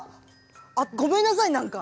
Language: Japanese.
あっごめんなさいなんか。